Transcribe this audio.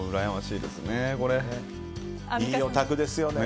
いいお宅ですよね。